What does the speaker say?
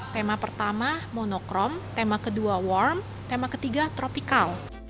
tema pertama monocrom tema kedua warm tema ketiga tropical